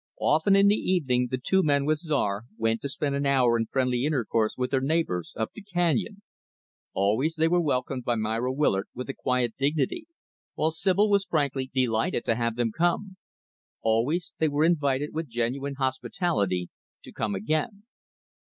Often, in the evening, the two men, with Czar, went to spend an hour in friendly intercourse with their neighbors up the canyon. Always, they were welcomed by Myra Willard with a quiet dignity; while Sibyl was frankly delighted to have them come. Always, they were invited with genuine hospitality to "come again."